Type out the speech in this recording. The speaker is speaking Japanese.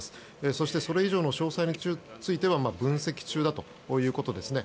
そしてそれ以上の詳細については分析中だということです。